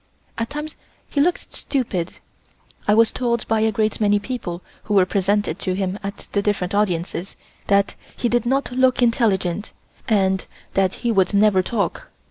At times he looked stupid. I was told by a great many people who were presented to him at the different audiences that he did not look intelligent, and that he would never talk.